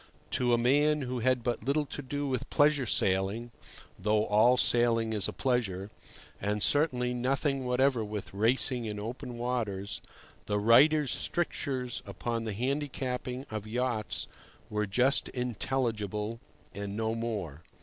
To a man who had but little to do with pleasure sailing (though all sailing is a pleasure), and certainly nothing whatever with racing in open waters, the writer's strictures upon the handicapping of yachts were just intelligible and no more.